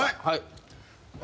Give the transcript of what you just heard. はい。